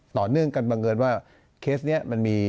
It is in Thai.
ต่อเนื่องกันบังเอิญว่าเคสนี้มันมี